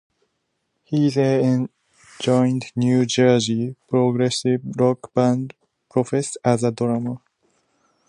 He then joined New Jersey progressive rock band Prophet as a drummer.